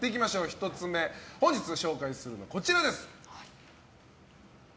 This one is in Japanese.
１つ目、本日紹介するのはこちらです。